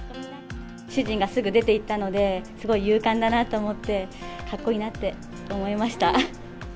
主人がすぐ出て行ったので、すごい勇敢だなと思って、かっこいいなって思いました。